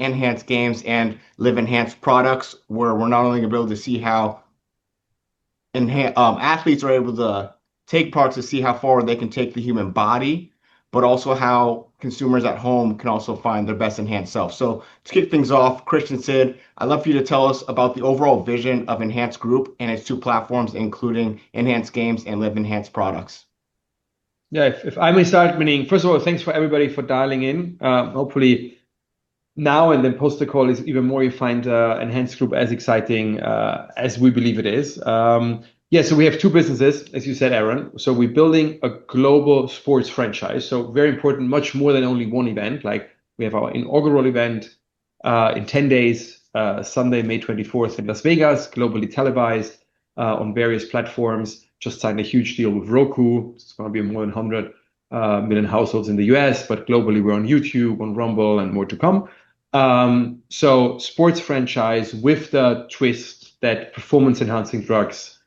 Enhanced Games and Live Enhanced Products, where we're not only going to be able to see how athletes are able to take part to see how far they can take the human body, but also how consumers at home can also find their best enhanced self. To kick things off, Christian, Sid, I'd love for you to tell us about the overall vision of Enhanced Group and its two platforms, including Enhanced Games and Live Enhanced Products. Yeah. If I may start, Mining. First of all, thanks for everybody for dialing in. Hopefully now and then post the call is even more you find Enhanced Group as exciting as we believe it is. We have two businesses, as you said, Aron. We're building a global sports franchise, very important, much more than only one event. We have our inaugural event in 10 days, Sunday, May 24th in Las Vegas, globally televised on various platforms. Just signed a huge deal with Roku. It's going to be more than 100 million households in the U.S., but globally we're on YouTube, on Rumble, and more to come. Sports franchise with the twist that performance-enhancing drugs,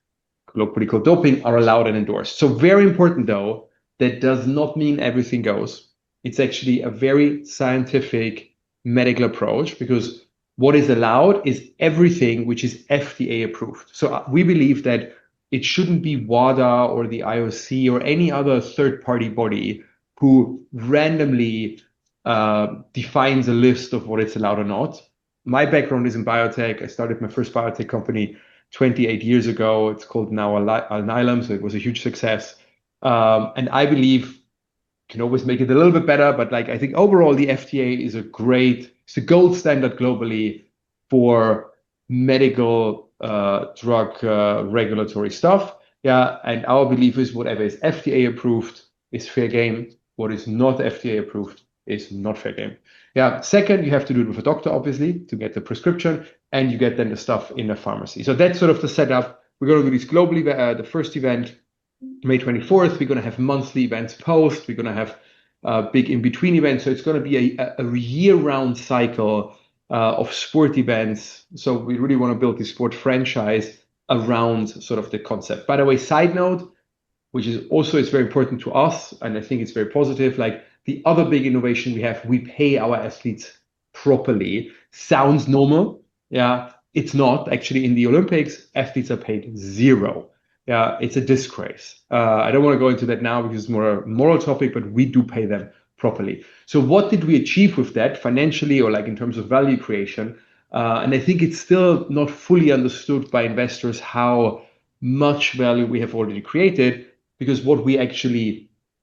politically called doping, are allowed and endorsed. Very important though, that does not mean everything goes. It's actually a very scientific medical approach because what is allowed is everything which is FDA approved. We believe that it shouldn't be WADA or the IOC or any other third-party body who randomly defines a list of what is allowed or not. My background is in biotech. I started my first biotech company 28 years ago. It's called now Alnylam, it was a huge success. I believe can always make it a little bit better, but I think overall the FDA is a great. It's a gold standard globally for medical drug regulatory stuff. Our belief is whatever is FDA approved is fair game. What is not FDA approved is not fair game. Second, you have to do it with a doctor, obviously, to get the prescription, and you get then the stuff in a pharmacy. That's sort of the setup. We're going to do this globally. The first event, May 24th. We're going to have monthly events post. We're going to have big in-between events. It's going to be a year-round cycle of sport events. We really want to build this sport franchise around sort of the concept. By the way, side note, which is also it's very important to us and I think it's very positive, the other big innovation we have, we pay our athletes properly. Sounds normal. Yeah. It's not. Actually in the Olympics, athletes are paid zero. Yeah. It's a disgrace. I don't want to go into that now because it's more a moral topic, but we do pay them properly. What did we achieve with that financially or in terms of value creation? I think it's still not fully understood by investors how much value we have already created.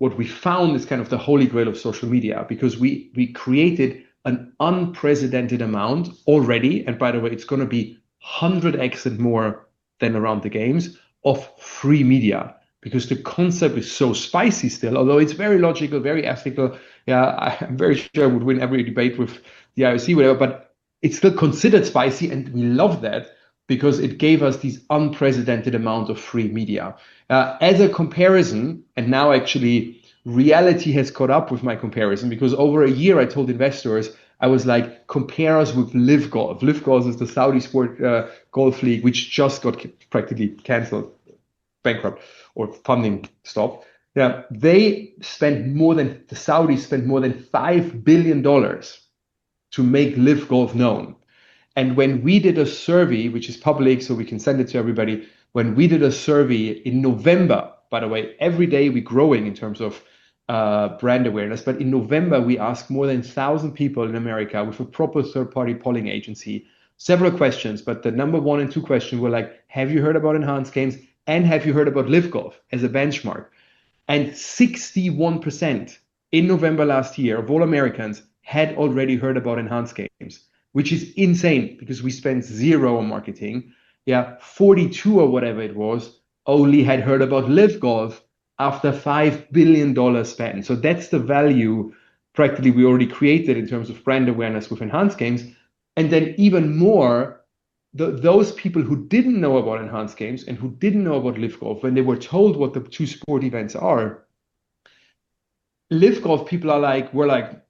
What we found is kind of the holy grail of social media because we created an unprecedented amount already. By the way, it's going to be 100x and more than around the games of free media because the concept is so spicy still, although it's very logical, very ethical. I'm very sure we would win every debate with the IOC, whatever, but it's still considered spicy, and we love that because it gave us these unprecedented amounts of free media. As a comparison, now actually reality has caught up with my comparison because over a year I told investors, I was like, "Compare us with LIV Golf." LIV Golf is the Saudi sport golf league, which just got practically canceled, bankrupt or funding stopped. The Saudis spent more than $5 billion to make LIV Golf known. When we did a survey, which is public so we can send it to everybody, when we did a survey in November, by the way, every day we're growing in terms of brand awareness. In November, we asked more than 1,000 people in America with a proper third-party polling agency several questions. The number 1 and 2 questions were like, "Have you heard about Enhanced Games?" and "Have you heard about LIV Golf?" as a benchmark. 61% in November last year of all Americans had already heard about Enhanced Games, which is insane because we spent zero on marketing. 42 or whatever it was only had heard about LIV Golf after $5 billion spent. That's the value practically we already created in terms of brand awareness with Enhanced Games. Even more, those people who didn't know about Enhanced Games and who didn't know about LIV Golf, when they were told what the two sport events are, LIV Golf people were like,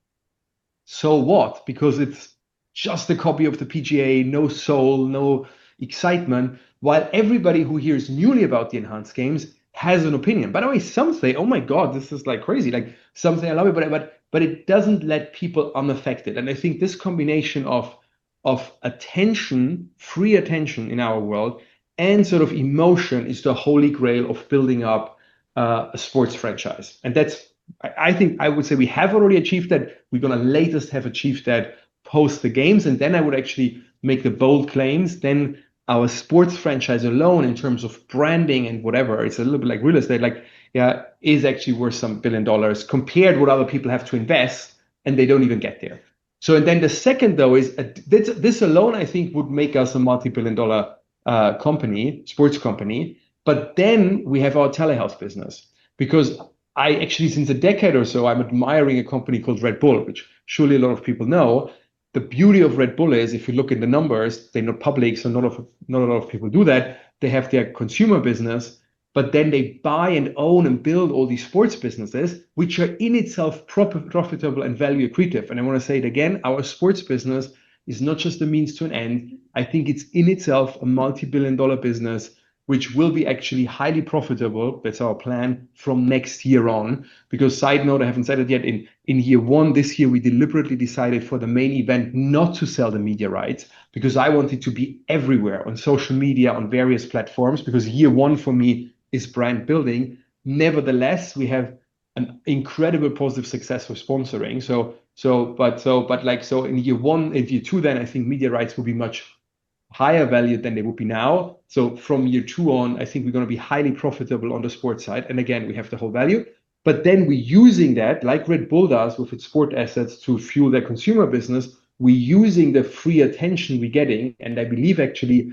"So what?" It's just a copy of the PGA. No soul, no excitement. While everybody who hears newly about the Enhanced Games has an opinion. By the way, some say, "Oh my God, this is crazy." Some say, "I love it," but it doesn't let people unaffected. I think this combination of attention, free attention in our world, and sort of emotion is the holy grail of building up a sports franchise. That's I think I would say we have already achieved that. We're going to latest have achieved that post the games, I would actually make the bold claims. Our sports franchise alone in terms of branding and whatever, it's a little bit like real estate, is actually worth some billion dollars compared what other people have to invest and they don't even get there. The second though is this alone I think would make us a multi-billion dollar sports company, but then we have our telehealth business because I actually since a decade or so I'm admiring a company called Red Bull, which surely a lot of people know. The beauty of Red Bull is if you look at the numbers, they're not public, not a lot of people do that. They have their consumer business they buy and own and build all these sports businesses, which are in itself profitable and value accretive. I want to say it again, our sports business is not just a means to an end. I think it's in itself a multi-billion dollar business, which will be actually highly profitable. That's our plan from next year on. Side note, I haven't said it yet, in year one this year, we deliberately decided for the main event not to sell the media rights because I wanted to be everywhere on social media, on various platforms, because year one for me is brand building. Nevertheless, we have an incredible positive success with sponsoring. In year one, in year two, I think media rights will be much higher value than they would be now. From year two on, I think we're going to be highly profitable on the sports side. Again, we have the whole value. We're using that, like Red Bull does with its sport assets, to fuel their consumer business. We're using the free attention we're getting, and I believe actually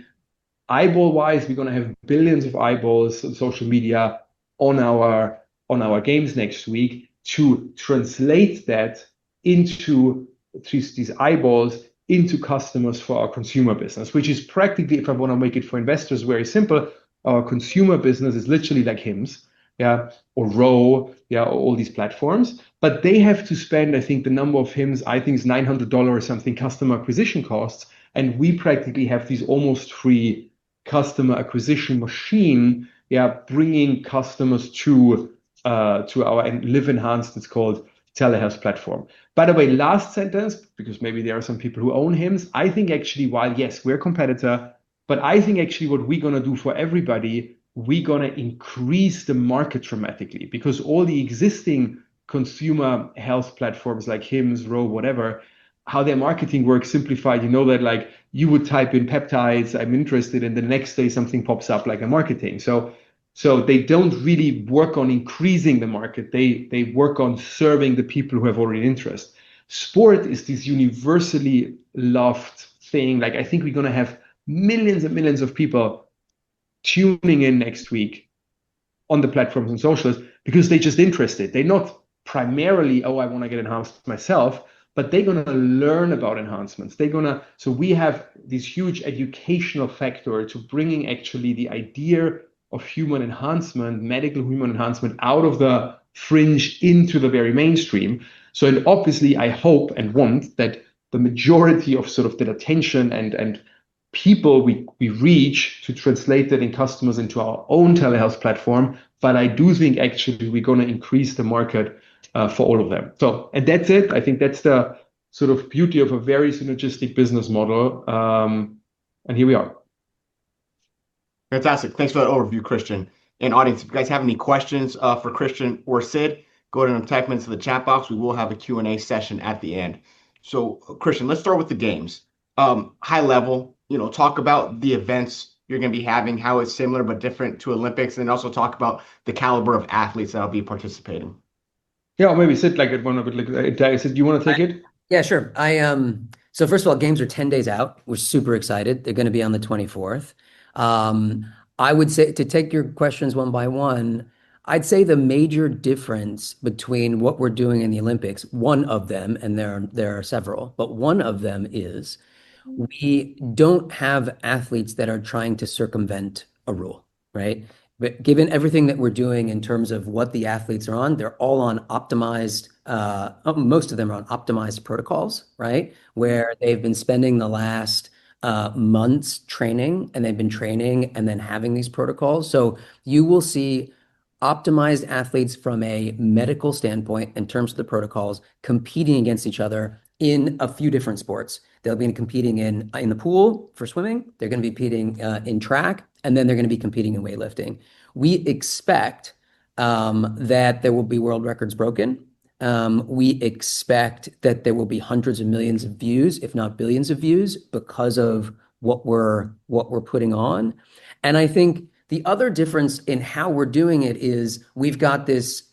eyeball-wise, we're going to have billions of eyeballs on social media on our games next week to translate these eyeballs into customers for our consumer business. Which is practically, if I want to make it for investors very simple, our consumer business is literally like Hims. Or Ro, all these platforms. They have to spend, I think the number of Hims, I think it's $900 or something customer acquisition costs. We practically have these almost free customer acquisition machine. We are bringing customers to our Live Enhanced, it's called, telehealth platform. By the way, last sentence, because maybe there are some people who own Hims. I think actually while, yes, we're a competitor, I think actually what we're going to do for everybody, we're going to increase the market dramatically. All the existing consumer health platforms like Hims, Ro, whatever, how their marketing works, simplified, you know that you would type in peptides, I'm interested, and the next day something pops up like a marketing. They don't really work on increasing the market. They work on serving the people who have already interest. Sport is this universally loved thing. I think we're going to have millions and millions of people tuning in next week on the platforms and socials because they're just interested. They're not primarily, "Oh, I want to get enhanced myself," but they're going to learn about enhancements. We have this huge educational factor to bringing actually the idea of human enhancement, medical human enhancement, out of the fringe into the very mainstream. Obviously I hope and want that the majority of sort of the attention and people we reach to translate that in customers into our own telehealth platform. I do think actually we're going to increase the market for all of them. That's it. I think that's the sort of beauty of a very synergistic business model. Here we are. Fantastic. Thanks for that overview, Christian. Audience, if you guys have any questions for Christian or Sid, go ahead and type them into the chat box. We will have a Q&A session at the end. Christian, let's start with the games. High level, talk about the events you're going to be having, how it's similar but different to Olympics, and then also talk about the caliber of athletes that will be participating. Yeah. Maybe Sid, do you want to take it? Yeah, sure. First of all, games are 10 days out. We're super excited. They're going to be on the 24th. I would say to take your questions one by one, I'd say the major difference between what we're doing and the Olympics, one of them, and there are several, but one of them is we don't have athletes that are trying to circumvent a rule, right? Given everything that we're doing in terms of what the athletes are on, most of them are on optimized protocols, right? Where they've been spending the last months training, and they've been training and then having these protocols. You will see optimized athletes from a medical standpoint in terms of the protocols competing against each other in a few different sports. They'll be competing in the pool for swimming, they're going to be competing in track, and then they're going to be competing in weightlifting. We expect that there will be world records broken. We expect that there will be hundreds of millions of views, if not billions of views because of what we're putting on. I think the other difference in how we're doing it is we've got this,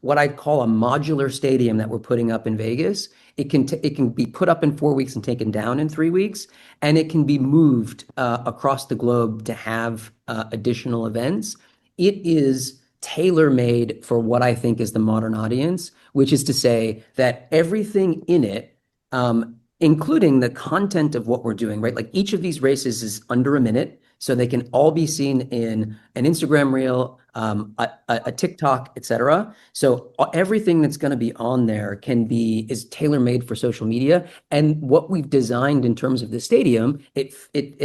what I'd call a modular stadium that we're putting up in Vegas. It can be put up in four weeks and taken down in three weeks, and it can be moved across the globe to have additional events. It is tailor-made for what I think is the modern audience. Which is to say that everything in it, including the content of what we're doing, right? Each of these races is under a minute, so they can all be seen in an Instagram Reel, a TikTok, et cetera. Everything that's going to be on there is tailor-made for social media. What we've designed in terms of the stadium, it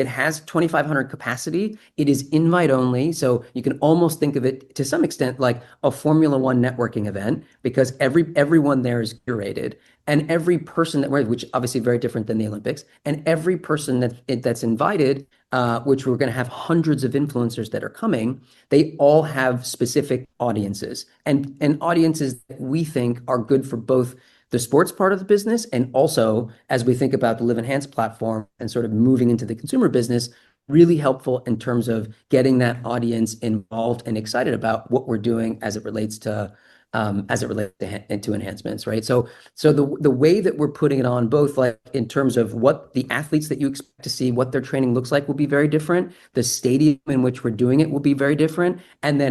has 2,500 capacity. It is invite only. You can almost think of it, to some extent, like a Formula 1 networking event because everyone there is curated. Every person that's invited, which we're going to have hundreds of influencers that are coming, they all have specific audiences. Audiences that we think are good for both the sports part of the business and also, as we think about the Live Enhanced platform and sort of moving into the consumer business, really helpful in terms of getting that audience involved and excited about what we're doing as it relates into enhancements, right? The way that we're putting it on, both in terms of what the athletes that you expect to see, what their training looks like, will be very different. The stadium in which we're doing it will be very different.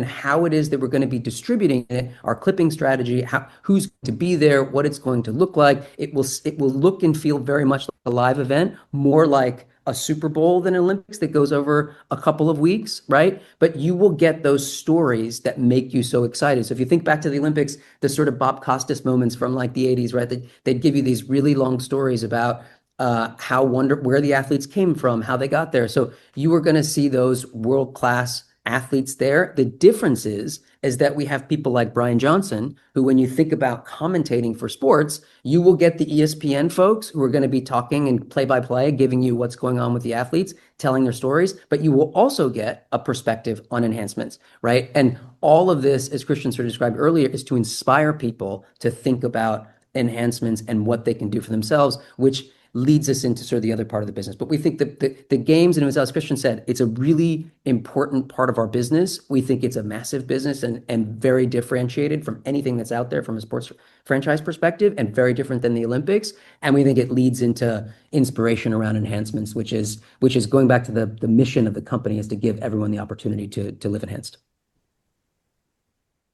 How it is that we're going to be distributing it, our clipping strategy, who's going to be there, what it's going to look like. It will look and feel very much like a live event, more like a Super Bowl than Olympics that goes over a couple of weeks, right? You will get those stories that make you so excited. If you think back to the Olympics, the sort of Bob Costas moments from the '80s, right? They'd give you these really long stories about where the athletes came from, how they got there. You are going to see those world-class athletes there. The difference is that we have people like Bryan Johnson, who, when you think about commentating for sports, you will get the ESPN folks who are going to be talking in play-by-play, giving you what's going on with the athletes, telling their stories, but you will also get a perspective on enhancements, right? All of this, as Christian sort of described earlier, is to inspire people to think about enhancements and what they can do for themselves, which leads us into sort of the other part of the business. We think that the games, and as Christian said, it's a really important part of our business. We think it's a massive business and very differentiated from anything that's out there from a sports franchise perspective and very different than the Olympics. We think it leads into inspiration around enhancements, which is going back to the mission of the company, is to give everyone the opportunity to live enhanced.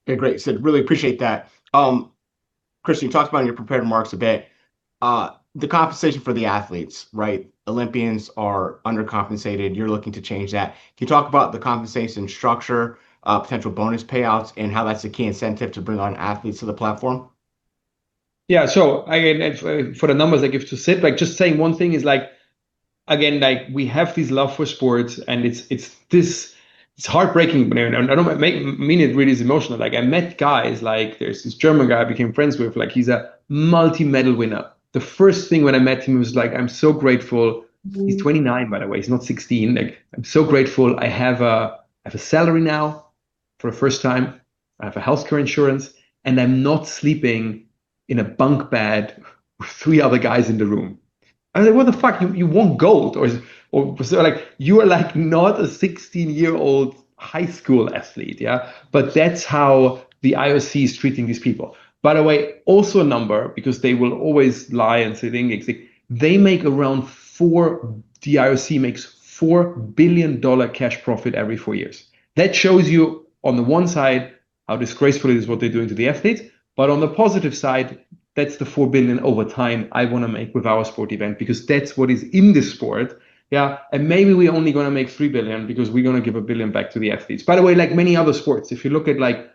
Okay, great. Sid, really appreciate that. Christian, you talked about in your prepared marks a bit, the compensation for the athletes, right? Olympians are undercompensated. You're looking to change that. Can you talk about the compensation structure, potential bonus payouts, and how that's a key incentive to bring on athletes to the platform? Yeah. Again, for the numbers I give to Sid, just saying one thing is, again, we have this love for sports, and it's heartbreaking. I don't mean it really as emotional. I met guys, there's this German guy I became friends with, he's a multi-medal winner. The first thing when I met him, he was like, "I'm so grateful." He's 29, by the way. He's not 16. Like, "I'm so grateful I have a salary now for the first time. I have a healthcare insurance, and I'm not sleeping in a bunk bed with three other guys in the room." I was like, "What the fuck? You won gold." "You are not a 16-year-old high school athlete," yeah? That's how the IOC is treating these people. By the way, also a number, because they will always lie and say things. The IOC makes $4 billion cash profit every four years. That shows you, on the one side, how disgraceful it is what they're doing to the athletes, on the positive side, that's the $4 billion over time I want to make with our sport event, because that's what is in the sport. Yeah. Maybe we're only going to make $3 billion because we're going to give a billion back to the athletes. By the way, like many other sports, if you look at NFL,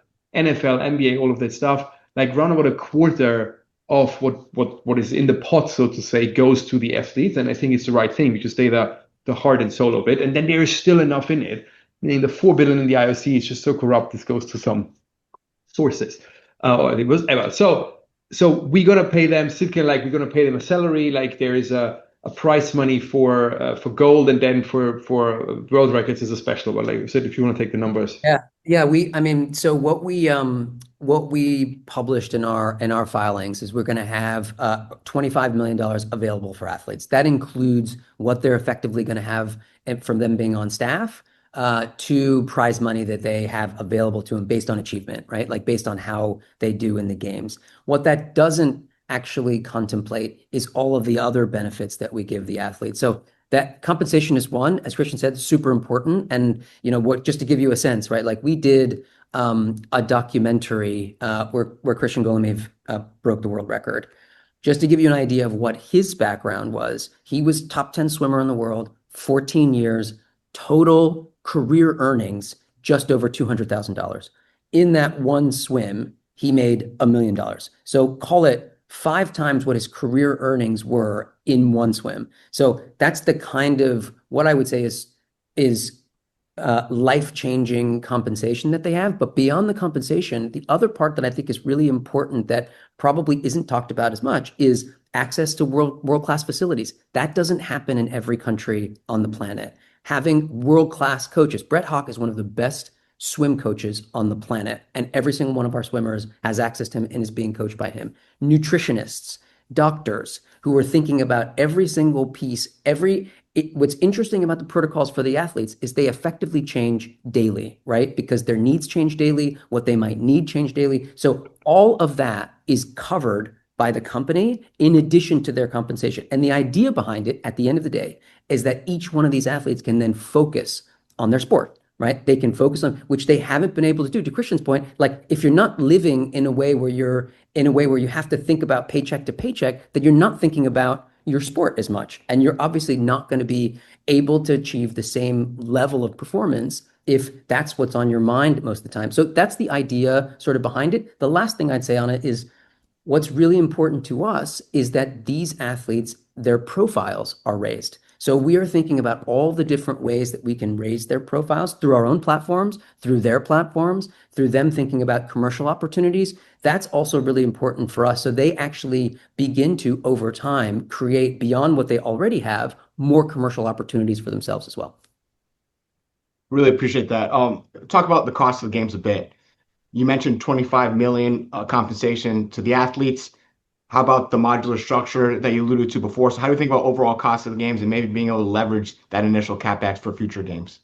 NBA, all of that stuff, around about a quarter of what is in the pot, so to say, goes to the athletes, and I think it's the right thing. We just save the heart and soul of it, and then there is still enough in it. Meaning the $4 billion in the IOC is just so corrupt, this goes to some sources. We're going to pay them simply, we're going to pay them a salary. There is a prize money for gold, and then for world records is a special one. Sid, if you want to take the numbers. What we published in our filings is we're going to have $25 million available for athletes. That includes what they're effectively going to have from them being on staff, to prize money that they have available to them based on achievement, right? Based on how they do in the games. What that doesn't actually contemplate is all of the other benefits that we give the athletes. That compensation is one, as Christian said, super important, and just to give you a sense, right? We did a documentary where Kristian Gkolomeev broke the world record. Just to give you an idea of what his background was, he was top 10 swimmer in the world, 14 years, total career earnings, just over $200,000. In that one swim, he made $1 million. Call it five times what his career earnings were in one swim. That's the kind of what I would say is life-changing compensation that they have. Beyond the compensation, the other part that I think is really important that probably isn't talked about as much is access to world-class facilities. That doesn't happen in every country on the planet. Having world-class coaches. Brett Hawke is one of the best swim coaches on the planet, and every single one of our swimmers has access to him and is being coached by him. Nutritionists, doctors who are thinking about every single piece. What's interesting about the protocols for the athletes is they effectively change daily, right? Because their needs change daily, what they might need change daily. All of that is covered by the company in addition to their compensation. The idea behind it, at the end of the day, is that each one of these athletes can then focus on their sport, right? Which they haven't been able to do. To Christian's point, if you're not living in a way where you have to think about paycheck to paycheck, then you're not thinking about your sport as much, and you're obviously not going to be able to achieve the same level of performance if that's what's on your mind most of the time. That's the idea sort of behind it. The last thing I'd say on it is what's really important to us is that these athletes, their profiles are raised. We are thinking about all the different ways that we can raise their profiles through our own platforms, through their platforms, through them thinking about commercial opportunities. That's also really important for us. They actually begin to, over time, create beyond what they already have, more commercial opportunities for themselves as well. Really appreciate that. Talk about the cost of the games a bit. You mentioned $25 million compensation to the athletes. How about the modular structure that you alluded to before? How do we think about overall cost of the games and maybe being able to leverage that initial CapEx for future games?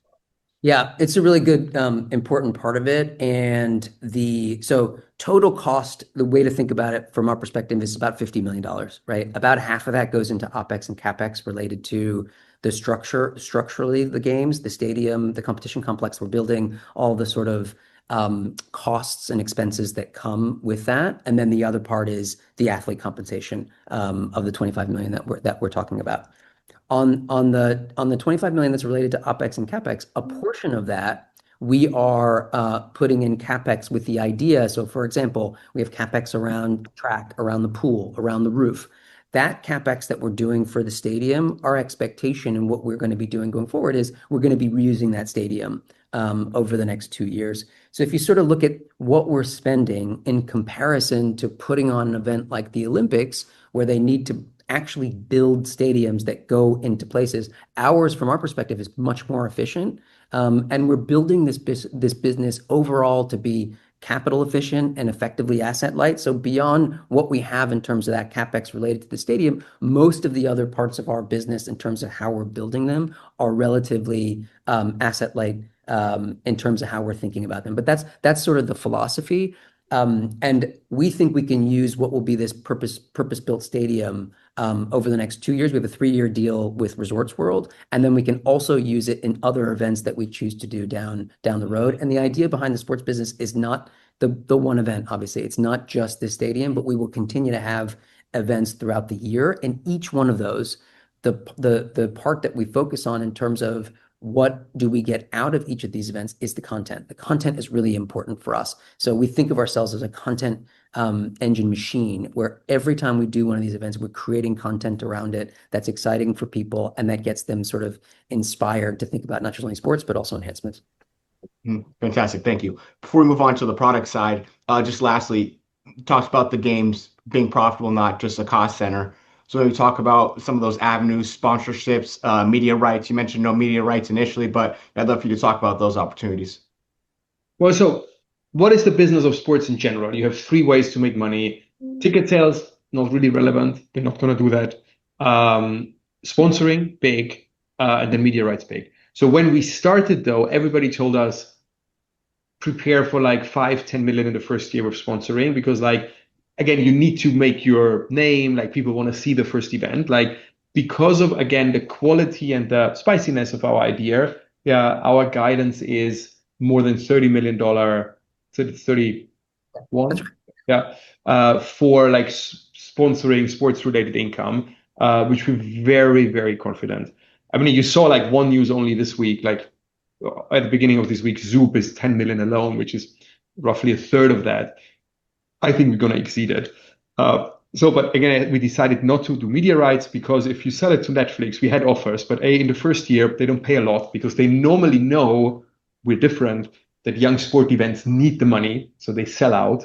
Yeah, it's a really good important part of it. Total cost, the way to think about it from our perspective, is about $50 million. About half of that goes into OpEx and CapEx related to structurally the games, the stadium, the competition complex we're building, all the sort of costs and expenses that come with that. The other part is the athlete compensation of the $25 million that we're talking about. On the $25 million that's related to OpEx and CapEx, a portion of that we are putting in CapEx. For example, we have CapEx around track, around the pool, around the roof. That CapEx that we're doing for the stadium, our expectation and what we're going to be doing going forward is we're going to be reusing that stadium over the next two years. If you look at what we're spending in comparison to putting on an event like the Olympics, where they need to actually build stadiums that go into places, ours from our perspective is much more efficient. We're building this business overall to be capital efficient and effectively asset light. Beyond what we have in terms of that CapEx related to the stadium, most of the other parts of our business in terms of how we're building them are relatively asset light in terms of how we're thinking about them. That's sort of the philosophy. We think we can use what will be this purpose-built stadium over the next two years. We have a three-year deal with Resorts World, then we can also use it in other events that we choose to do down the road. The idea behind the sports business is not the one event, obviously, it's not just the stadium, but we will continue to have events throughout the year. Each one of those, the part that we focus on in terms of what do we get out of each of these events is the content. The content is really important for us. We think of ourselves as a content engine machine, where every time we do one of these events, we're creating content around it that's exciting for people, and that gets them sort of inspired to think about not just only sports, but also enhancements. Fantastic. Thank you. Before we move on to the product side, just lastly, you talked about the games being profitable, not just a cost center. Maybe talk about some of those avenues, sponsorships, media rights. You mentioned no media rights initially, I'd love for you to talk about those opportunities. What is the business of sports in general? You have three ways to make money. Ticket sales, not really relevant. We're not going to do that. Sponsoring, big, and then media rights, big. When we started, though, everybody told us, "Prepare for like $5 million, $10 million in the first year of sponsoring." Again, you need to make your name, people want to see the first event. Of, again, the quality and the spiciness of our idea, our guidance is more than $30 million-$31 million. That's right. Yeah. For sponsoring sports-related income, which we're very, very confident. I mean, you saw one news only this week, at the beginning of this week, Zoop is $10 million alone, which is roughly a third of that. I think we're going to exceed it. Again, we decided not to do media rights, because if you sell it to Netflix, we had offers, but, A, in the first year, they don't pay a lot because they normally know we're different, that young sport events need the money, so they sell out.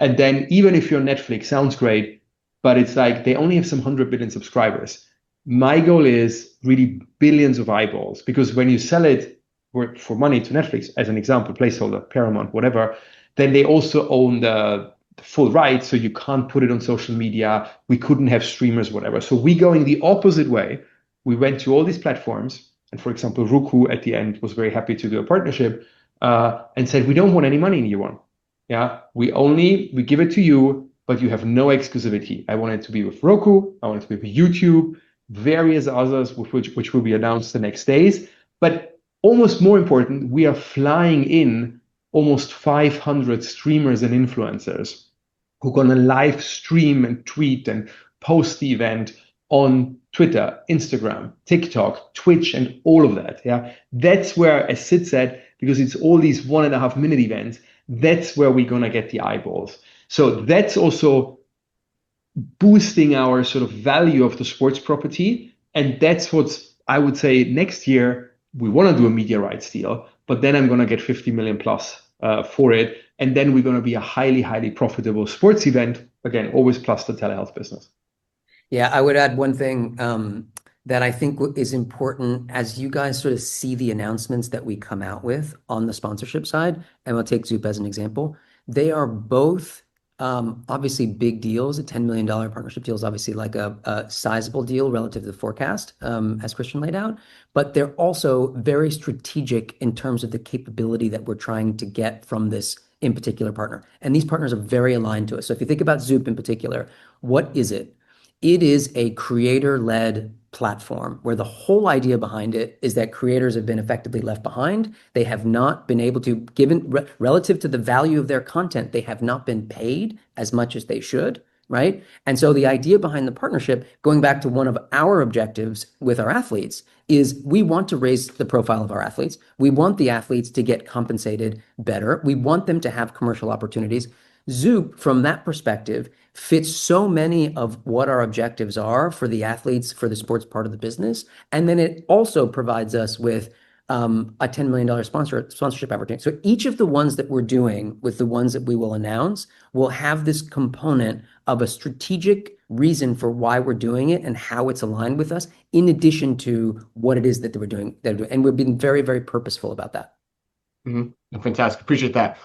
Even if you're Netflix, sounds great, but it's like they only have some 100 million subscribers. My goal is really billions of eyeballs, when you sell it for money to Netflix, as an example, placeholder, Paramount, whatever, then they also own the full rights, so you can't put it on social media. We couldn't have streamers, whatever. We're going the opposite way. We went to all these platforms. For example, Roku at the end was very happy to do a partnership, said, "We don't want any money, anyone." We give it to you, but you have no exclusivity. I want it to be with Roku, I want it to be with YouTube, various others, which will be announced the next days. Almost more important, we are flying in almost 500 streamers and influencers who are going to live stream and tweet and post the event on Twitter, Instagram, TikTok, Twitch, and all of that. That's where, as Sid said, because it's all these one-and-a-half-minute events, that's where we're going to get the eyeballs. That's also boosting our sort of value of the sports property. That's what I would say next year we want to do a media rights deal. I'm going to get $50 million plus for it. We're going to be a highly profitable sports event. Again, always plus the telehealth business. I would add one thing that I think is important as you guys sort of see the announcements that we come out with on the sponsorship side. We'll take Zoop as an example. They are both obviously big deals. A $10 million partnership deal is obviously like a sizable deal relative to the forecast, as Christian laid out. They're also very strategic in terms of the capability that we're trying to get from this in particular partner. These partners are very aligned to us. If you think about Zoop in particular, what is it? It is a creator-led platform where the whole idea behind it is that creators have been effectively left behind. Relative to the value of their content, they have not been paid as much as they should. The idea behind the partnership, going back to one of our objectives with our athletes, is we want to raise the profile of our athletes. We want the athletes to get compensated better. We want them to have commercial opportunities. Zoop, from that perspective, fits so many of what our objectives are for the athletes, for the sports part of the business. It also provides us with a $10 million sponsorship opportunity. Each of the ones that we're doing with the ones that we will announce will have this component of a strategic reason for why we're doing it and how it's aligned with us, in addition to what it is that we're doing. We're being very, very purposeful about that. Mm-hmm. Fantastic. Appreciate that.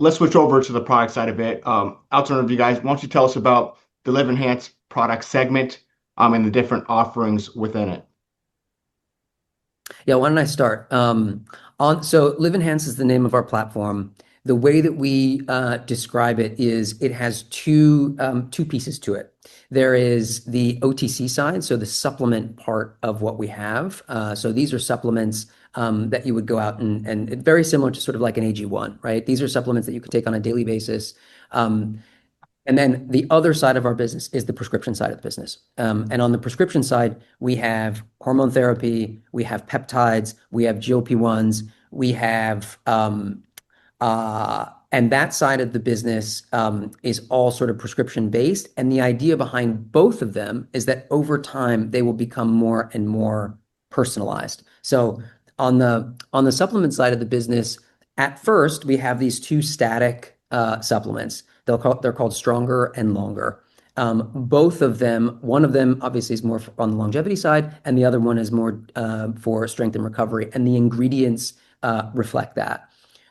Let's switch over to the product side of it. Altern, you guys, why don't you tell us about the Live Enhanced product segment, and the different offerings within it? Yeah, why don't I start? Live Enhanced is the name of our platform. The way that we describe it is it has two pieces to it. There is the OTC side, so the supplement part of what we have. These are supplements that you would go out and very similar to sort of like an AG1, right? These are supplements that you could take on a daily basis. The other side of our business is the prescription side of the business. On the prescription side, we have hormone therapy, we have peptides, we have GLP-1s. That side of the business is all sort of prescription-based. The idea behind both of them is that over time they will become more and more personalized. On the supplement side of the business, at first, we have these two static supplements. They're called Stronger and Longer. Both of them, one of them obviously is more on the longevity side, and the other one is more for strength and recovery. The ingredients reflect that.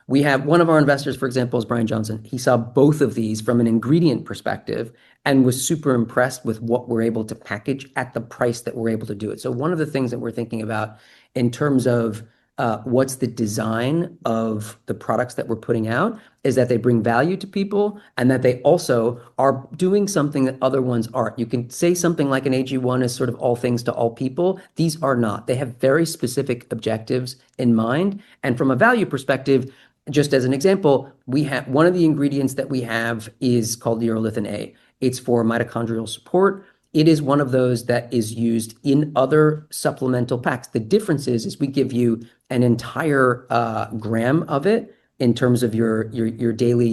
One of our investors, for example, is Bryan Johnson. He saw both of these from an ingredient perspective and was super impressed with what we're able to package at the price that we're able to do it. One of the things that we're thinking about in terms of what's the design of the products that we're putting out is that they bring value to people, and that they also are doing something that other ones aren't. You can say something like an AG1 is sort of all things to all people. These are not. They have very specific objectives in mind. From a value perspective, just as an example, one of the ingredients that we have is called urolithin A. It's for mitochondrial support. It is one of those that is used in other supplemental packs. The difference is we give you an entire gram of it in terms of your daily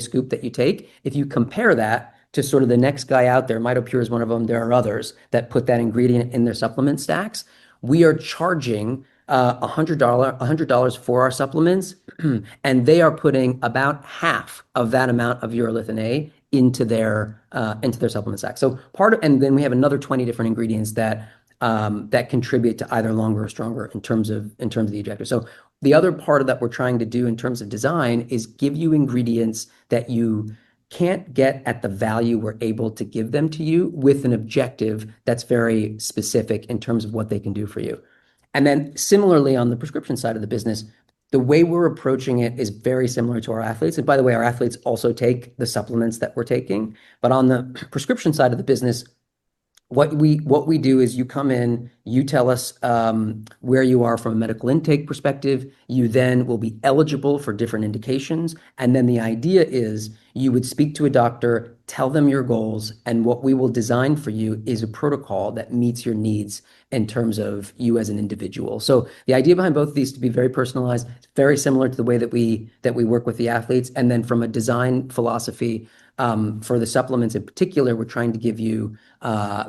scoop that you take. If you compare that to sort of the next guy out there, Mitopure is one of them, there are others that put that ingredient in their supplement stacks. We are charging $100 for our supplements, and they are putting about half of that amount of urolithin A into their supplement stack. Then we have another 20 different ingredients that contribute to either Longer or Stronger in terms of the objective. The other part that we're trying to do in terms of design is give you ingredients that you can't get at the value we're able to give them to you with an objective that's very specific in terms of what they can do for you. Similarly, on the prescription side of the business, the way we're approaching it is very similar to our athletes. By the way, our athletes also take the supplements that we're taking. On the prescription side of the business, what we do is you come in, you tell us where you are from a medical intake perspective, you then will be eligible for different indications. The idea is you would speak to a doctor, tell them your goals, and what we will design for you is a protocol that meets your needs in terms of you as an individual. The idea behind both of these to be very personalized, very similar to the way that we work with the athletes. From a design philosophy, for the supplements in particular, we're trying to give you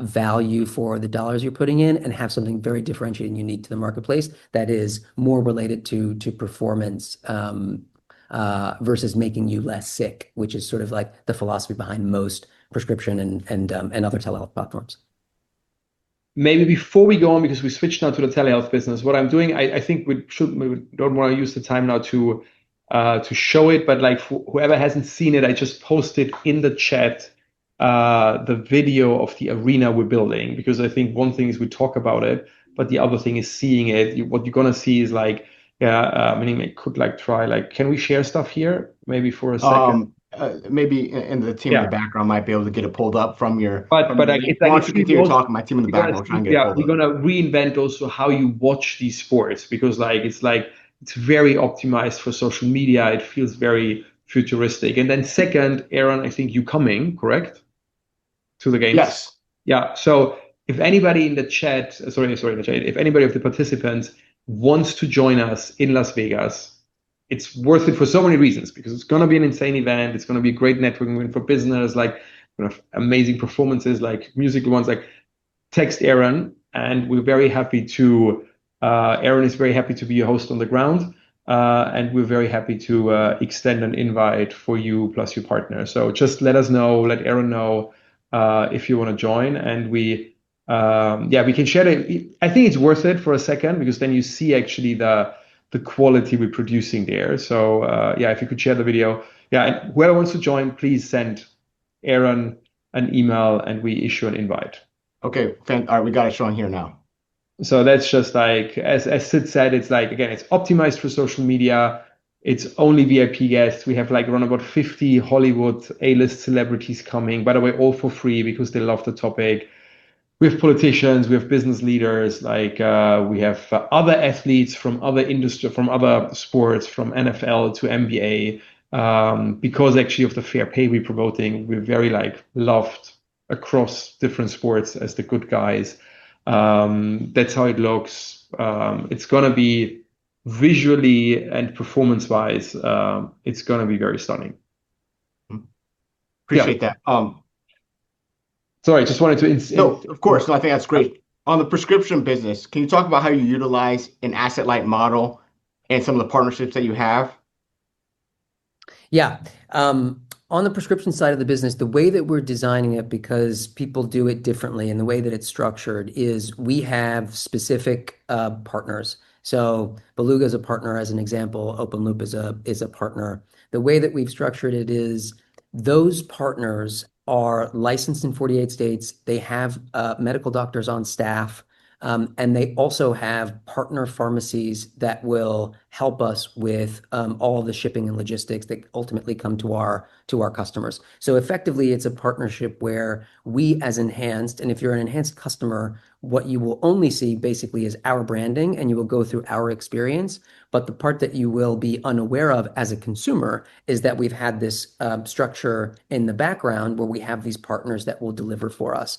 value for the dollars you're putting in and have something very differentiated and unique to the marketplace that is more related to performance, versus making you less sick, which is sort of like the philosophy behind most prescription and other telehealth platforms. Maybe before we go on, because we switched now to the telehealth business. What I'm doing, I think we don't want to use the time now to show it, but whoever hasn't seen it, I just posted in the chat the video of the arena we're building. I think one thing is we talk about it, but the other thing is seeing it. What you're going to see is Yeah, maybe we could try. Can we share stuff here maybe for a second? Maybe, the team in the background might be able to get it pulled up from your. I guess- While you continue talking, my team in the background can get it pulled up. We're going to reinvent also how you watch these sports because it's very optimized for social media. It feels very futuristic. Then second, Aaron, I think you're coming, correct, to the Games? Yes. Yeah. If anybody in the chat, sorry to interrupt you, if anybody of the participants wants to join us in Las Vegas, it's worth it for so many reasons. It's going to be an insane event. It's going to be a great networking event for business. We're going to have amazing performances, like music ones. Text Aaron is very happy to be your host on the ground. We're very happy to extend an invite for you plus your partner. Just let us know, let Aaron know, if you want to join. We can share it. I think it's worth it for a second because then you see actually the quality we're producing there. Yeah, if you could share the video. Yeah. Whoever wants to join, please send Aaron an email, we issue an invite. Okay, fantastic. All right. We got it showing here now. That's just like, as Sid said, again, it's optimized for social media. It's only VIP guests. We have around about 50 Hollywood A-list celebrities coming, by the way, all for free because they love the topic. We have politicians, we have business leaders. We have other athletes from other sports, from NFL to NBA. Because actually of the fair pay we're promoting, we're very loved across different sports as the good guys. That's how it looks. Visually and performance-wise, it's going to be very stunning. Appreciate that. Sorry. No, of course. No, I think that's great. On the prescription business, can you talk about how you utilize an asset-light model and some of the partnerships that you have? On the prescription side of the business, the way that we're designing it, because people do it differently in the way that it's structured, is we have specific partners. Beluga is a partner, as an example. OpenLoop is a partner. The way that we've structured it is those partners are licensed in 48 states, they have medical doctors on staff, and they also have partner pharmacies that will help us with all the shipping and logistics that ultimately come to our customers. Effectively, it's a partnership where we, as Enhanced, and if you're an Enhanced customer, what you will only see basically is our branding, and you will go through our experience. The part that you will be unaware of as a consumer is that we've had this structure in the background where we have these partners that will deliver for us.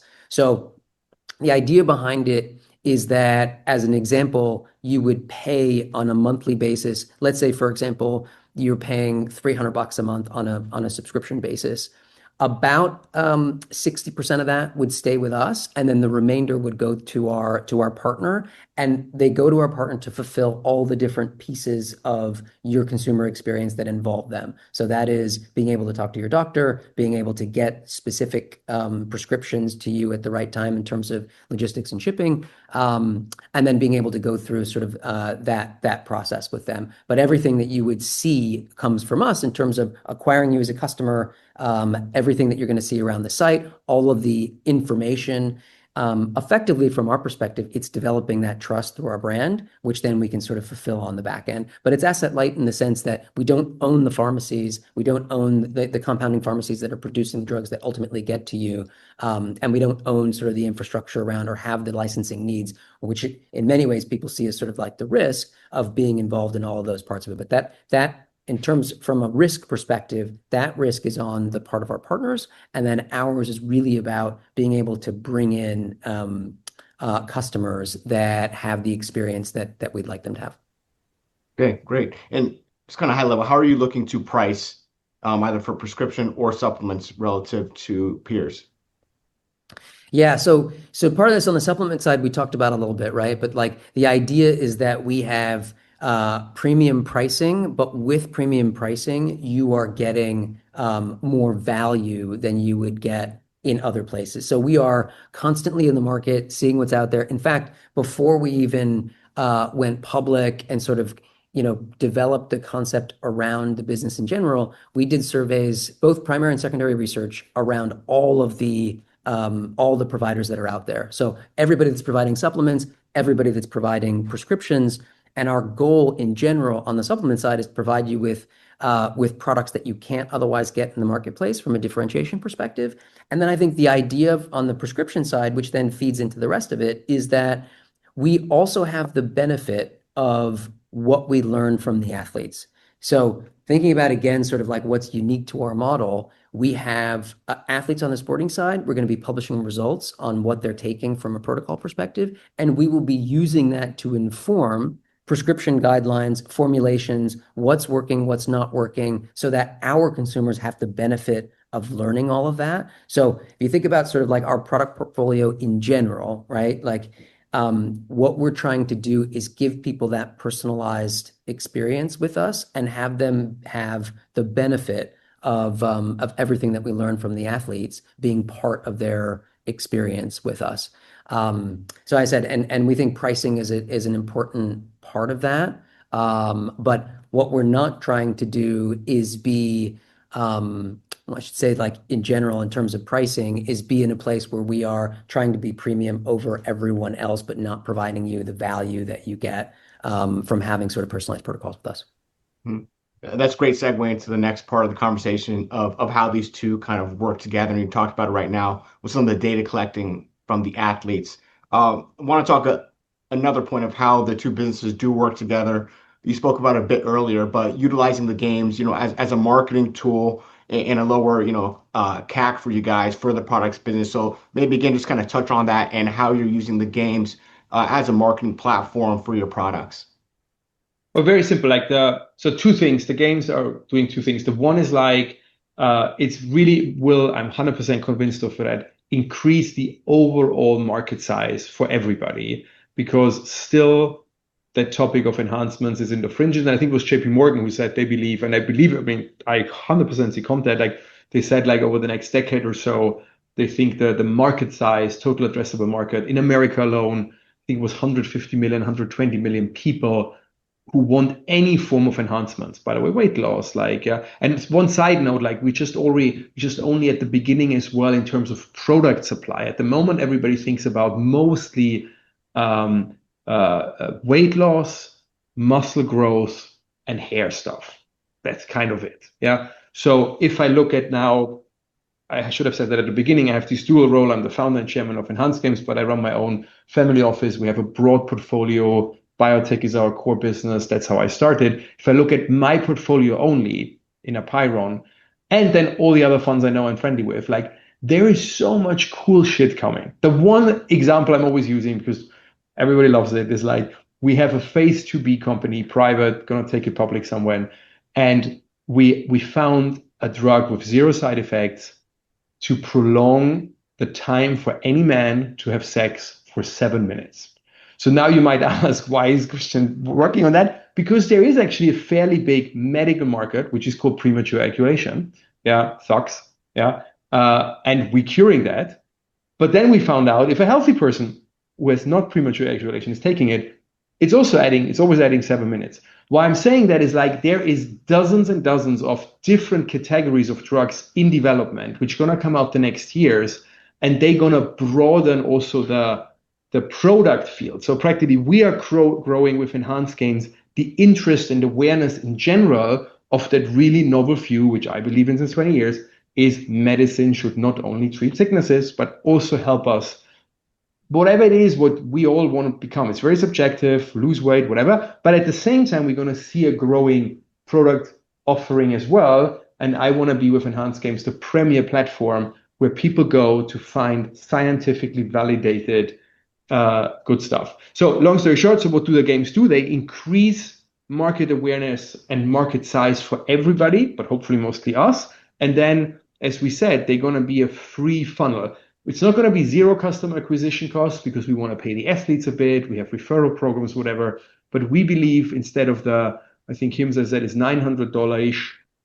The idea behind it is that, as an example, you would pay on a monthly basis. Let's say, for example, you're paying $300 a month on a subscription basis. About 60% of that would stay with us, the remainder would go to our partner, and they go to our partner to fulfill all the different pieces of your consumer experience that involve them. That is being able to talk to your doctor, being able to get specific prescriptions to you at the right time in terms of logistics and shipping, and then being able to go through that process with them. Everything that you would see comes from us in terms of acquiring you as a customer, everything that you're going to see around the site, all of the information. Effectively from our perspective, it's developing that trust through our brand, which then we can fulfill on the back end. It's asset light in the sense that we don't own the pharmacies, we don't own the compounding pharmacies that are producing drugs that ultimately get to you, and we don't own the infrastructure around or have the licensing needs, which in many ways, people see as the risk of being involved in all of those parts of it. From a risk perspective, that risk is on the part of our partners, ours is really about being able to bring in customers that have the experience that we'd like them to have. Okay, great. Just high level, how are you looking to price, either for prescription or supplements relative to peers? Yeah. Part of this on the supplement side, we talked about a little bit. The idea is that we have premium pricing, but with premium pricing, you are getting more value than you would get in other places. We are constantly in the market, seeing what's out there. In fact, before we even went public and developed the concept around the business in general, we did surveys, both primary and secondary research around all the providers that are out there. Everybody that's providing supplements, everybody that's providing prescriptions, and our goal in general on the supplement side is to provide you with products that you can't otherwise get in the marketplace from a differentiation perspective. I think the idea on the prescription side, which then feeds into the rest of it, is that we also have the benefit of what we learn from the athletes. Thinking about, again, what's unique to our model, we have athletes on the sporting side. We're going to be publishing results on what they're taking from a protocol perspective, and we will be using that to inform prescription guidelines, formulations, what's working, what's not working, so that our consumers have the benefit of learning all of that. If you think about our product portfolio in general, what we're trying to do is give people that personalized experience with us and have them have the benefit of everything that we learn from the athletes being part of their experience with us. As I said, we think pricing is an important part of that. What we're not trying to do is be, I should say in general in terms of pricing, is be in a place where we are trying to be premium over everyone else, but not providing you the value that you get from having personalized protocols with us. That's a great segue into the next part of the conversation of how these two work together, and you talked about it right now with some of the data collecting from the athletes. I want to talk another point of how the two businesses do work together. You spoke about a bit earlier, but utilizing the Enhanced Games as a marketing tool and a lower CAC for you guys for the products business. Maybe, again, just touch on that and how you're using the games as a marketing platform for your products. Well, very simple. Two things. The games are doing two things. The one is it's really will, I'm 100% convinced of that, increase the overall market size for everybody because still that topic of enhancements is in the fringes. I think it was JPMorgan who said they believe, and I believe it, I 100% see content. They said over the next decade or so, they think that the market size, total addressable market in America alone, I think it was 150 million, 120 million people who want any form of enhancements. By the way, weight loss. It's one side note, we're just only at the beginning as well in terms of product supply. At the moment, everybody thinks about mostly weight loss, muscle growth, and hair stuff. That's kind of it. If I look at now, I should have said that at the beginning. I have these dual role. I'm the founder and chairman of Enhanced Games, but I run my own family office. We have a broad portfolio. Biotech is our core business. That's how I started. If I look at my portfolio only in Apeiron and then all the other funds I know and friendly with, there is so much cool shit coming. The one example I'm always using because everybody loves it is we have a phase IIb company, private, going to take it public somewhere, and we found a drug with zero side effects to prolong the time for any man to have sex for seven minutes. Now you might ask, why is Christian working on that? Because there is actually a fairly big medical market, which is called premature ejaculation. Yeah. Sucks, yeah. We're curing that. We found out if a healthy person who has not premature ejaculation is taking it's always adding seven minutes. Why I'm saying that is there is dozens and dozens of different categories of drugs in development, which are going to come out the next years, and they're going to broaden also the product field. Practically, we are growing with Enhanced Games, the interest and awareness in general of that really novel view, which I believe in since 20 years, is medicine should not only treat sicknesses, but also help us. Whatever it is, what we all want to become, it's very subjective, lose weight, whatever, but at the same time, we're going to see a growing product offering as well, and I want to be, with Enhanced Games, the premier platform where people go to find scientifically validated good stuff. Long story short, what do the games do? They increase market awareness and market size for everybody, but hopefully mostly us. As we said, they're going to be a free funnel. It's not going to be zero customer acquisition costs because we want to pay the athletes a bit. We have referral programs, whatever. We believe instead of the, I think Himesh said it's $900,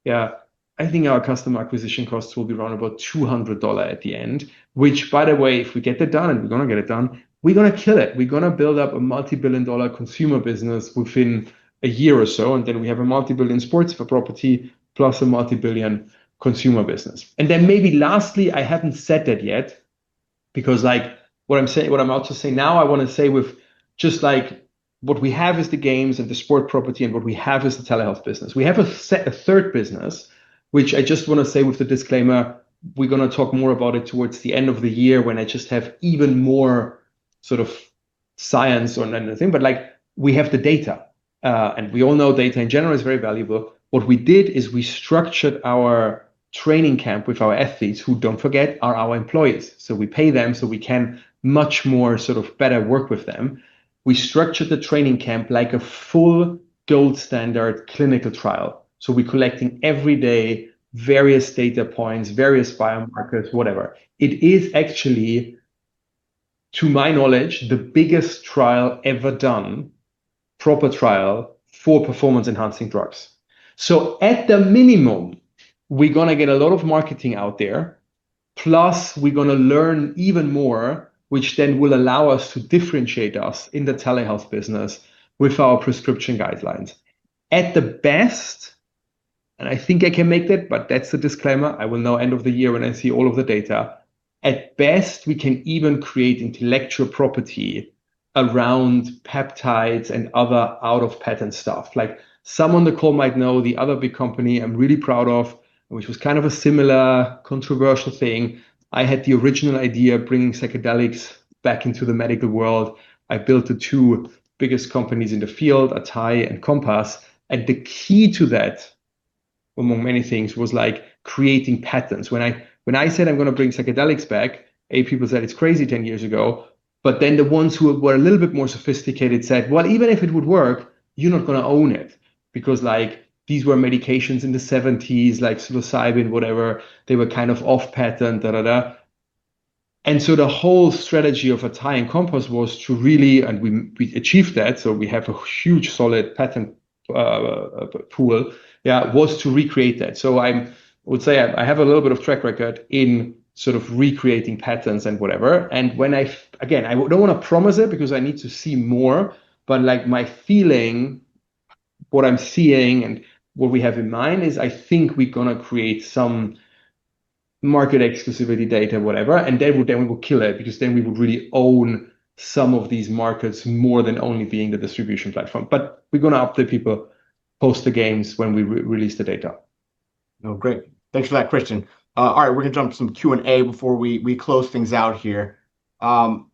yeah. I think our customer acquisition costs will be around about $200 at the end, which by the way, if we get that done, we're going to get it done, we're going to kill it. We're going to build up a multi-billion dollar consumer business within a year or so. We have a multi-billion sports for property plus a multi-billion consumer business. Maybe lastly, I haven't said that yet because what I'm about to say now, I want to say with just like what we have is the Enhanced Games and the sport property, and what we have is the telehealth business. We have a third business, which I just want to say with the disclaimer, we're going to talk more about it towards the end of the year when I just have even more sort of science or anything. We have the data, and we all know data in general is very valuable. What we did is we structured our training camp with our athletes, who don't forget, are our employees. We pay them so we can much more sort of better work with them. We structured the training camp like a full gold standard clinical trial. We're collecting every day various data points, various biomarkers, whatever. It is actually, to my knowledge, the biggest trial ever done, proper trial, for performance-enhancing drugs. At the minimum, we're going to get a lot of marketing out there. Plus, we're going to learn even more, which will allow us to differentiate us in the telehealth business with our prescription guidelines. At the best, I think I can make that's the disclaimer, I will know end of the year when I see all of the data. At best, we can even create intellectual property around peptides and other out-of-patent stuff. Like some on the call might know the other big company I'm really proud of, which was kind of a similar controversial thing. I had the original idea of bringing psychedelics back into the medical world. I built the two biggest companies in the field, Atai and Compass, the key to that, among many things, was like creating patents. When I said I'm going to bring psychedelics back, a ) people said it's crazy 10 years ago, the ones who were a little bit more sophisticated said, "Well, even if it would work, you're not going to own it." Because these were medications in the '70s, like psilocybin, whatever. They were kind of off patent. The whole strategy of Atai and Compass was to really, we achieved that so we have a huge solid patent pool, yeah, was to recreate that. I would say I have a little bit of track record in sort of recreating patents and whatever. I don't want to promise it because I need to see more, but my feeling, what I'm seeing and what we have in mind is I think we're going to create some market exclusivity data, whatever. Then we will kill it because then we would really own some of these markets more than only being the distribution platform. We're going to update people post the games when we release the data. No, great. Thanks for that, Christian. All right. We're going to jump into some Q&A before we close things out here.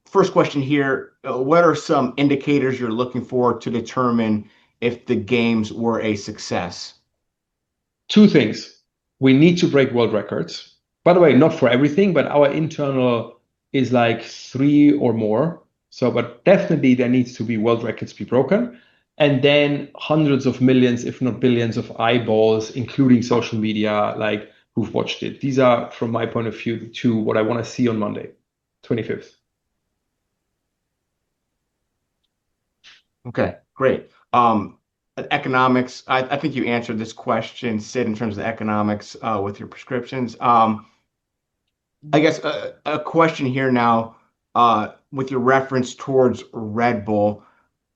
First question here. What are some indicators you're looking for to determine if the games were a success? Two things. We need to break world records. By the way, not for everything, but our internal is like three or more. Definitely there needs to be world records be broken, and then hundreds of millions, if not billions, of eyeballs, including social media, who've watched it. These are, from my point of view, the two what I want to see on Monday, 25th. Okay, great. Economics. I think you answered this question, Sid, in terms of economics with your prescriptions. I guess a question here now, with your reference towards Red Bull.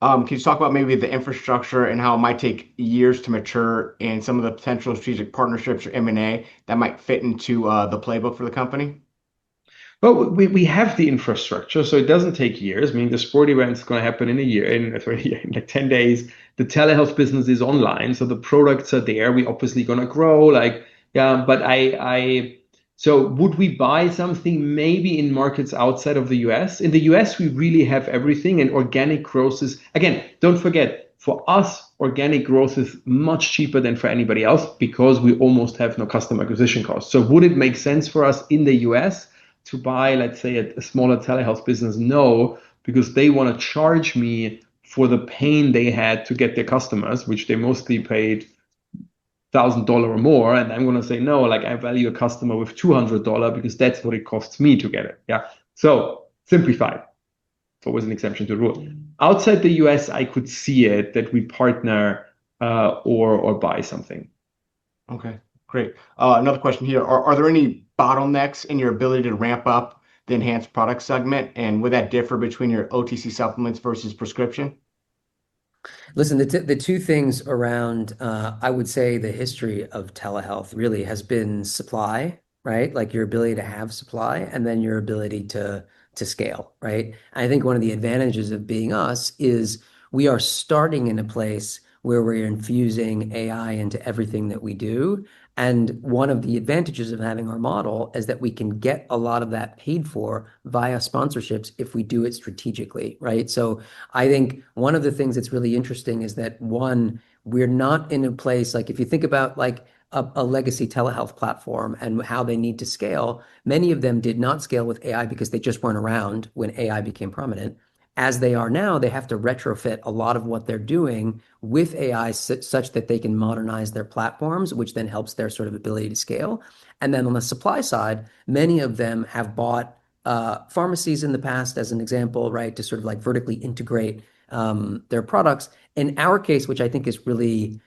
Can you talk about maybe the infrastructure and how it might take years to mature and some of the potential strategic partnerships or M&A that might fit into the playbook for the company? Well, we have the infrastructure, so it doesn't take years. I mean, the sporting event is going to happen in a year, in 10 days. The telehealth business is online, so the products are there. We obviously are going to grow. Would we buy something maybe in markets outside of the U.S.? In the U.S., we really have everything and organic growth is. Again, don't forget, for us, organic growth is much cheaper than for anybody else because we almost have no customer acquisition costs. Would it make sense for us in the U.S. to buy, let's say, a smaller telehealth business? No, because they want to charge me for the pain they had to get their customers, which they mostly paid $1,000 or more, and I'm going to say no, I value a customer with $200 because that's what it costs me to get it. Yeah. Simplified. It was an exemption to the rule. Outside the U.S., I could see it that we partner or buy something. Okay, great. Another question here. Are there any bottlenecks in your ability to ramp up the Enhanced product segment, and would that differ between your OTC supplements versus prescription? Listen, the two things around, I would say, the history of telehealth really has been supply. Your ability to have supply, and then your ability to scale. Right? I think one of the advantages of being us is we are starting in a place where we're infusing AI into everything that we do. One of the advantages of having our model is that we can get a lot of that paid for via sponsorships if we do it strategically. Right? I think one of the things that's really interesting is that, one, we're not in a place. If you think about a legacy telehealth platform and how they need to scale, many of them did not scale with AI because they just weren't around when AI became prominent. As they are now, they have to retrofit a lot of what they're doing with AI such that they can modernize their platforms, which then helps their sort of ability to scale. On the supply side, many of them have bought pharmacies in the past, as an example to sort of vertically integrate their products. In our case, which I think is really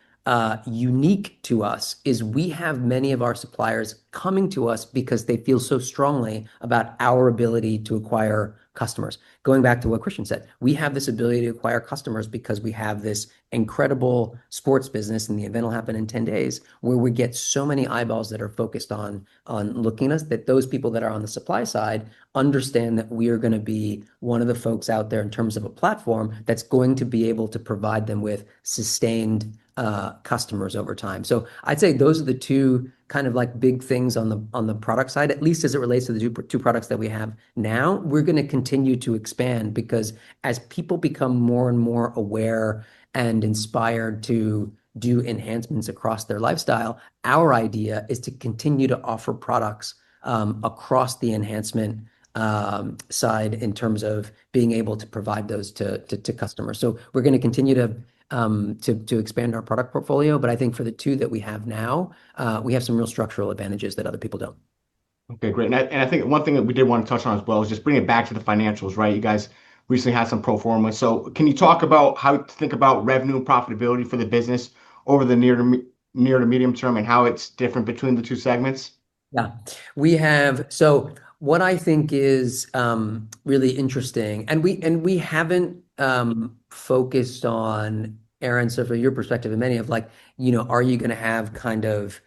unique to us, is we have many of our suppliers coming to us because they feel so strongly about our ability to acquire customers. Going back to what Christian said, we have this ability to acquire customers because we have this incredible sports business, and the event will happen in 10 days, where we get so many eyeballs that are focused on looking at us, that those people that are on the supply side understand that we are going to be one of the folks out there in terms of a platform that's going to be able to provide them with sustained customers over time. I'd say those are the two big things on the product side, at least as it relates to the two products that we have now. We're going to continue to expand because as people become more and more aware and inspired to do enhancements across their lifestyle, our idea is to continue to offer products across the enhancement side in terms of being able to provide those to customers. We're going to continue to expand our product portfolio. I think for the two that we have now, we have some real structural advantages that other people don't. Okay, great. I think one thing that we did want to touch on as well is just bring it back to the financials, right? You guys recently had some pro forma. Can you talk about how to think about revenue and profitability for the business over the near to medium term, and how it's different between the two segments? What I think is really interesting, and we haven't focused on, Aron, sort of your perspective in many of like, are you going to have kind of